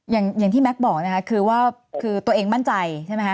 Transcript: อย่างที่แม็กซ์บอกนะคะคือว่าคือตัวเองมั่นใจใช่ไหมคะ